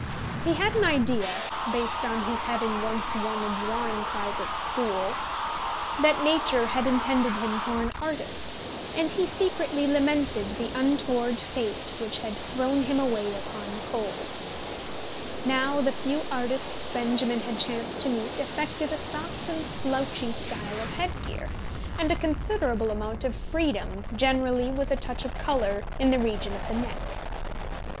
He had an idea, based on his having once won a drawing prize at school, that nature had intended him for an artist, and he secretly lamented the untoward fate which had thrown him away upon coals. Now the few artists Benjamin had chanced to meet affected a soft and slouchy style of head gear, and a considerable amount of freedom, generally with a touch of colour, in the region of the neck.